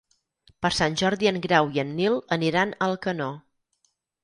Per Sant Jordi en Grau i en Nil aniran a Alcanó.